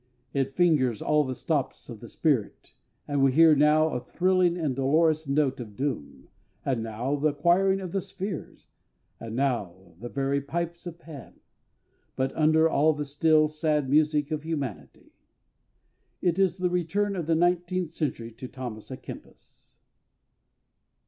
It fingers all the stops of the spirit, and we hear now a thrilling and dolorous note of doom, and now the quiring of the spheres, and now the very pipes of Pan, but under all the still, sad music of humanity. It is the return of the nineteenth century to THOMAS A KEMPIS.